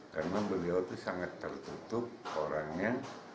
karena beliau tuh sangat tertutup orangnya